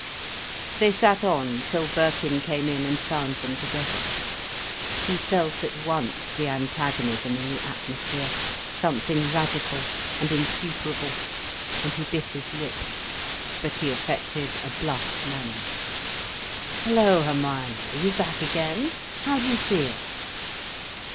They sat on till Birkin came in and found them together. He felt at once the antagonism in the atmosphere, something radical and insuperable, and he bit his lip. But he affected a bluff manner. "Hello, Hermione, are you back again? How do you feel?"